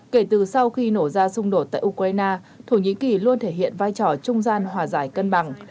kể từ sau khi nổ ra xung đột tại ukraine thổ nhĩ kỳ luôn thể hiện vai trò trung gian hòa giải cân bằng